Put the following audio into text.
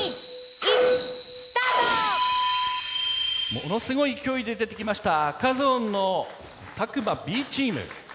ものすごい勢いで出てきました赤ゾーンの詫間Ｂチーム。